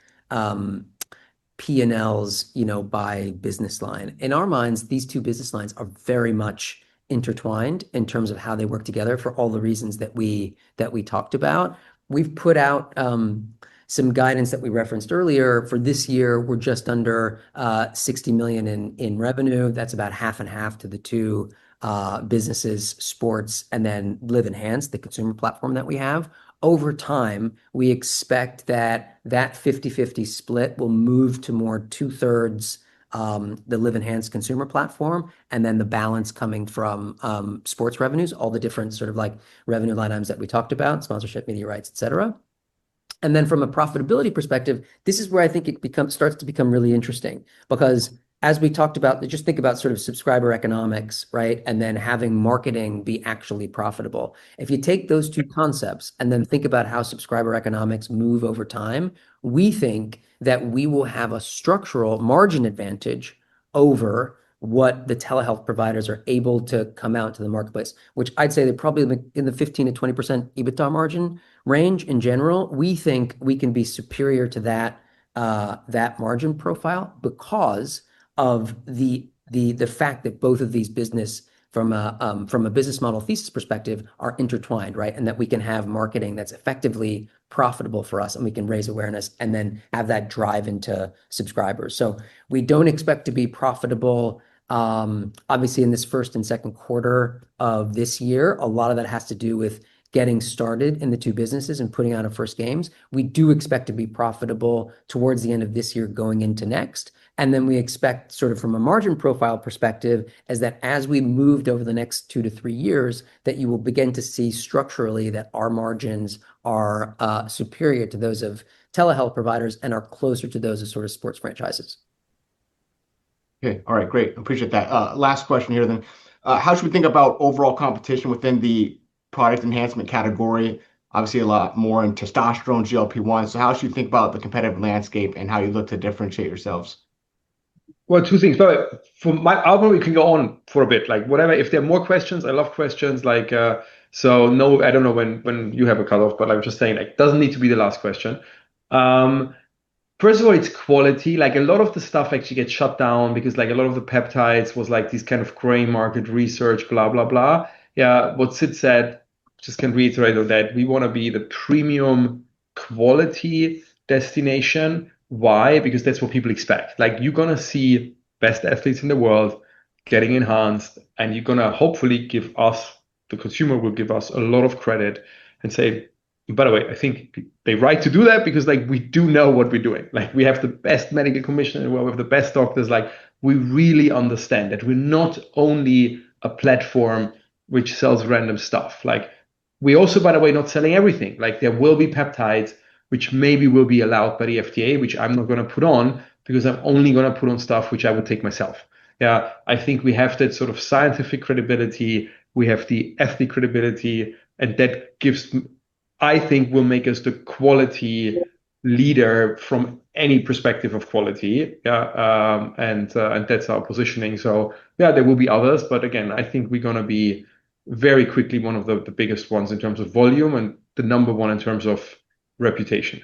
P&Ls by business line? In our minds, these two business lines are very much intertwined in terms of how they work together for all the reasons that we talked about. We've put out some guidance that we referenced earlier. For this year, we're just under $60 million in revenue. That's about half and half to the two businesses, sports and then Live Enhanced, the consumer platform that we have. Over time, we expect that 50/50 split will move to more two thirds the Live Enhanced consumer platform, and then the balance coming from sports revenues, all the different sort of revenue line items that we talked about, sponsorship, media rights, et cetera. From a profitability perspective, this is where I think it starts to become really interesting. As we talked about, just think about sort of subscriber economics, right? Having marketing be actually profitable. If you take those two concepts and then think about how subscriber economics move over time, we think that we will have a structural margin advantage over what the telehealth providers are able to come out to the marketplace. Which I'd say they're probably in the 15%-20% EBITDA margin range in general. We think we can be superior to that margin profile because of the fact that both of these business, from a business model thesis perspective, are intertwined, right? That we can have marketing that's effectively profitable for us and we can raise awareness and then have that drive into subscribers. We don't expect to be profitable, obviously, in this first and second quarter of this year. A lot of that has to do with getting started in the two businesses and putting on our first games. We do expect to be profitable towards the end of this year going into next. We expect sort of from a margin profile perspective is that as we moved over the next two to three years, that you will begin to see structurally that our margins are superior to those of telehealth providers and are closer to those of sort of sports franchises. Okay. All right. Great. I appreciate that. Last question here. How should we think about overall competition within the product enhancement category? Obviously, a lot more in testosterone, GLP-1s. How should you think about the competitive landscape and how you look to differentiate yourselves? Well, two things. By the way, I probably can go on for a bit. Like whatever, if there are more questions, I love questions. No, I don't know when you have a cut-off, but I'm just saying, it doesn't need to be the last question. First of all, it's quality. Like a lot of the stuff actually gets shut down because a lot of the peptides was this kind of gray market research blah, blah. Yeah. What Sid said, just can reiterate on that, we want to be the premium quality destination. Why? Because that's what people expect. You're going to see best athletes in the world getting enhanced, and the consumer will give us a lot of credit and say. By the way, I think they're right to do that because we do know what we're doing. We have the best medical commission in the world. We have the best doctors. We really understand that we're not only a platform which sells random stuff. We also, by the way, are not selling everything. There will be peptides which maybe will be allowed by the FDA, which I'm not going to put on because I'm only going to put on stuff which I would take myself. Yeah. I think we have that sort of scientific credibility, we have the ethic credibility, and that, I think, will make us the quality leader from any perspective of quality. Yeah. That's our positioning. Yeah, there will be others, but again, I think we're going to be very quickly one of the biggest ones in terms of volume and the number one in terms of reputation.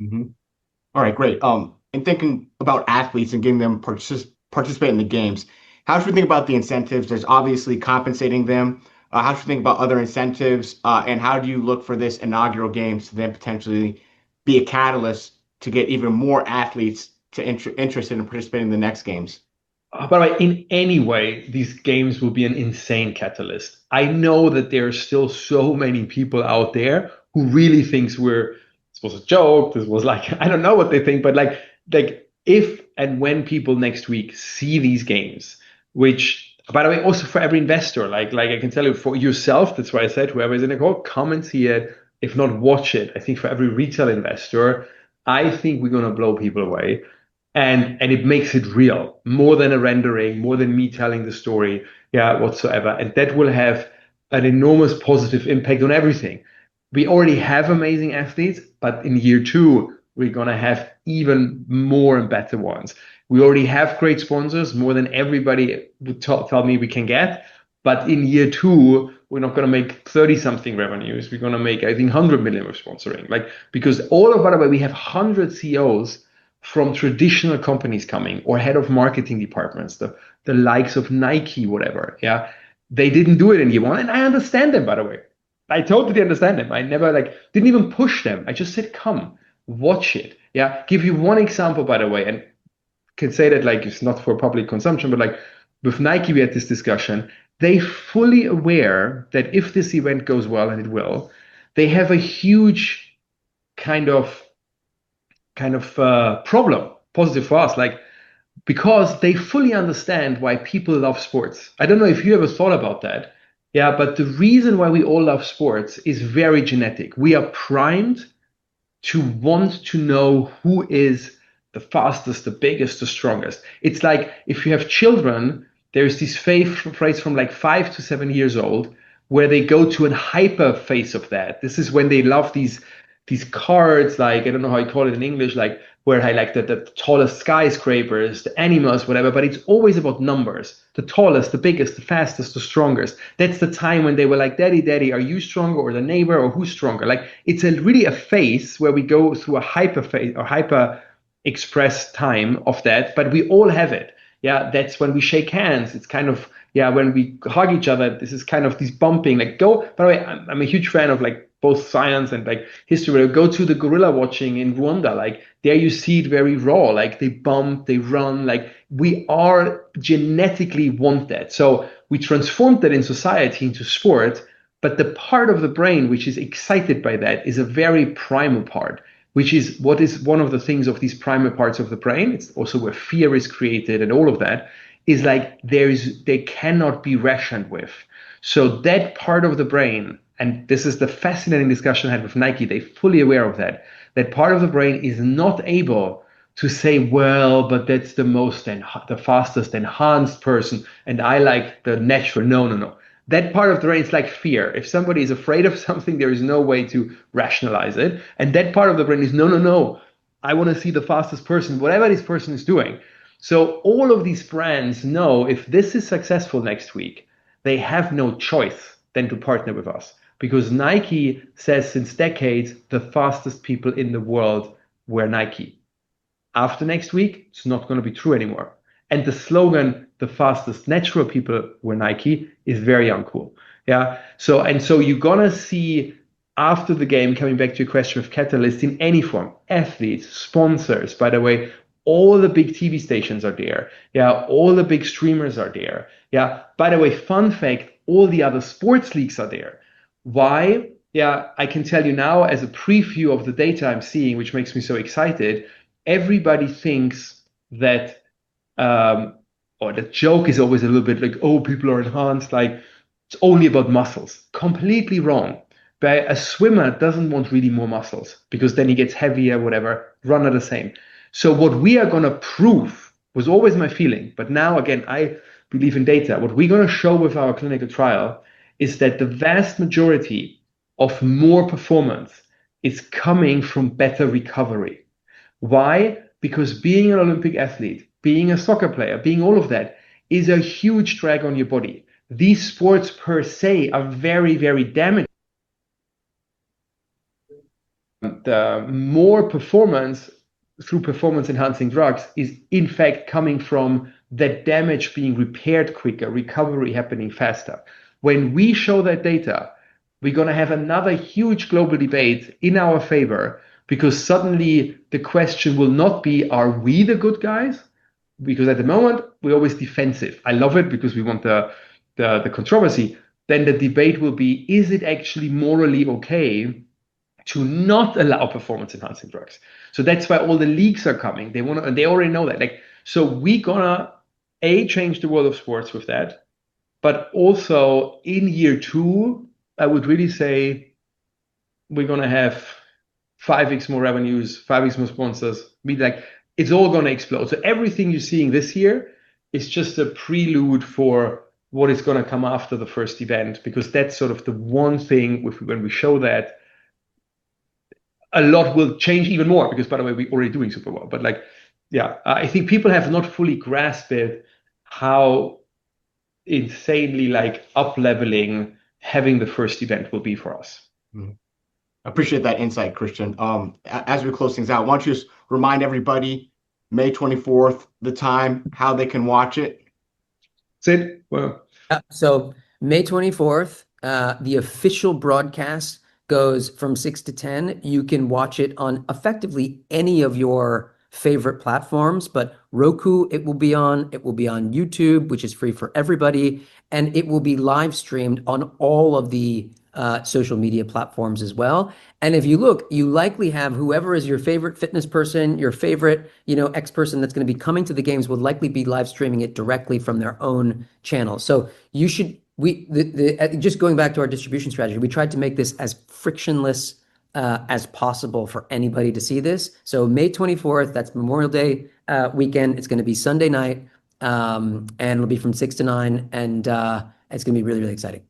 All right, great. In thinking about athletes and getting them to participate in the games, how should we think about the incentives? There's obviously compensating them. How should we think about other incentives? How do you look for this inaugural games to then potentially be a catalyst to get even more athletes interested in participating in the next games? All right. In any way, these games will be an insane catalyst. I know that there are still so many people out there who really think this was a joke. I don't know what they think, but if and when people next week see these games, which by the way, also for every investor. I can tell you for yourself, that's why I said whoever is in the call, come and see it. If not, watch it. I think for every retail investor, I think we're going to blow people away. It makes it real, more than a rendering, more than me telling the story, yeah, whatsoever. That will have an enormous positive impact on everything. We already have amazing athletes, but in year two, we're going to have even more and better ones. We already have great sponsors, more than everybody would tell me we can get. In year two, we're not going to make 30-something revenues. We're going to make, I think, $100 million of sponsoring. All of whatever, we have 100 CEOs from traditional companies coming, or head of marketing departments, the likes of Nike, whatever. They didn't do it in year one, and I understand them, by the way. I totally understand them. I never didn't even push them. I just said, "Come, watch it." Give you one example, by the way, can say that it's not for public consumption, but with Nike, we had this discussion. They're fully aware that if this event goes well, and it will, they have a huge kind of problem, positive for us. They fully understand why people love sports. I don't know if you ever thought about that. The reason why we all love sports is very genetic. We are primed to want to know who is the fastest, the biggest, the strongest. It's like if you have children, there's this phase from five to seven years old where they go to a hyper-phase of that. This is when they love these cards, I don't know how you call it in English, where they're like the tallest skyscrapers, the animals, whatever, but it's always about numbers, the tallest, the biggest, the fastest, the strongest. That's the time when they were like, "Daddy, daddy, are you stronger or the neighbor, or who's stronger?" It's really a phase where we go through a hyper-express time of that, but we all have it. That's when we shake hands. It's kind of, when we hug each other, this is kind of this bumping. By the way, I'm a huge fan of both science and history. Go to the gorilla watching in Rwanda, there you see it very raw. They bump, they run. We all genetically want that. We transformed that in society into sport, but the part of the brain which is excited by that is a very primal part. Which is what is one of the things of these primal parts of the brain, it's also where fear is created and all of that, is they cannot be rationed with. That part of the brain, and this is the fascinating discussion I had with Nike, they're fully aware of that part of the brain is not able to say, "That's the most and the fastest enhanced person, and I like the natural." No, no. That part of the brain is like fear. If somebody's afraid of something, there is no way to rationalize it. That part of the brain is, "No, no. I want to see the fastest person, whatever this person is doing." All of these brands know if this is successful next week, they have no choice than to partner with us because Nike says since decades, the fastest people in the world wear Nike. After next week, it's not going to be true anymore. The slogan, "The fastest natural people wear Nike," is very uncool. You're going to see after the game, coming back to your question of catalyst in any form, athletes, sponsors. By the way, all the big TV stations are there. All the big streamers are there. By the way, fun fact, all the other sports leagues are there. Why? I can tell you now as a preview of the data I'm seeing, which makes me so excited, everybody thinks or the joke is always a little bit like, oh, people are enhanced, it's only about muscles. Completely wrong. A swimmer doesn't want really more muscles because then he gets heavier, whatever. Runner, the same. What we are going to prove was always my feeling, but now again, I believe in data. What we're going to show with our clinical trial is that the vast majority of more performance is coming from better recovery. Why? Because being an Olympic athlete, being a soccer player, being all of that, is a huge drag on your body. These sports per se are very, very damaging. The more performance through performance-enhancing drugs is in fact coming from that damage being repaired quicker, recovery happening faster. We show that data, we're going to have another huge global debate in our favor because suddenly the question will not be, are we the good guys? At the moment, we're always defensive. I love it because we want the controversy. The debate will be, is it actually morally okay To not allow performance-enhancing drugs. That's why all the leagues are coming. They already know that. We're going to, A, change the world of sports with that, but also in year two, I would really say we're going to have 5x more revenues, 5x more sponsors. It's all going to explode. Everything you're seeing this year is just a prelude for what is going to come after the first event, That's sort of the one thing, when we show that, a lot will change even more, By the way, we're already doing super well. Yeah, I think people have not fully grasped how insanely up-leveling having the first event will be for us. Appreciate that insight, Christian. As we close things out, why don't you just remind everybody, May 24th, the time, how they can watch it. Sid? What? May 24th, the official broadcast goes from 6:00 to 10:00. You can watch it on effectively any of your favorite platforms, but Roku it will be on, it will be on YouTube, which is free for everybody, it will be live-streamed on all of the social media platforms as well. If you look, you likely have whoever is your favorite fitness person, your favorite X person that's going to be coming to the games will likely be live streaming it directly from their own channel. Just going back to our distribution strategy, we tried to make this as frictionless as possible for anybody to see this. May 24th, that's Memorial Day weekend. It's going to be Sunday night, and it'll be from 6:00 to 9:00, and it's going to be really, really exciting.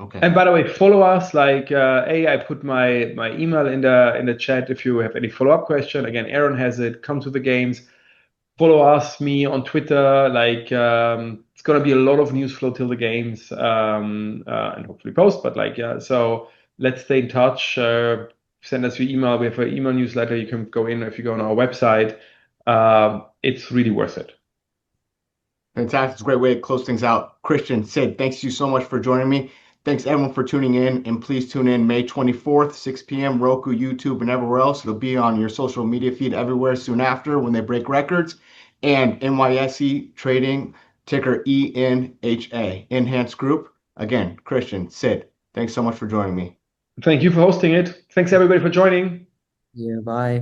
Okay. By the way, follow us. I put my email in the chat if you have any follow-up question. Again, Aron has it. Come to the games. Follow us, me on Twitter. It's going to be a lot of news flow till the games, and hopefully post. Let's stay in touch. Send us your email. We have an email newsletter you can go in if you go on our website. It's really worth it. Fantastic. It's a great way to close things out. Christian, Sid, thank you so much for joining me. Thanks, everyone, for tuning in, please tune in May 24th, 6:00 P.M., Roku, YouTube, and everywhere else. It'll be on your social media feed everywhere soon after when they break records. NYSE trading ticker ENHA, Enhanced Group. Again, Christian, Sid, thanks so much for joining me. Thank you for hosting it. Thanks, everybody, for joining. Yeah, bye.